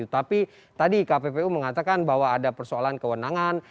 tapi tadi kppu mengatakan bahwa ada persoalan kewenangan